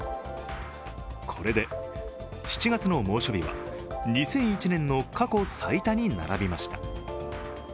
これで７月の猛暑日は２００１年の過去最多に並びました。